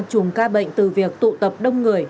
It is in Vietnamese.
trùng ca bệnh từ việc tụ tập đông người